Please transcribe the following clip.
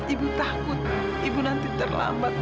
ibu takut ibu nanti terlambat mau beritahu kamu